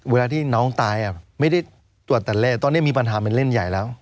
เวลาที่น้องตายไม่ได้ตรวจแต่เลขตอนนี้มีปัญหาเป็นเล่นใหญ่แล้ว